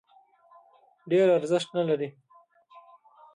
ډېر ارزښت نه لري.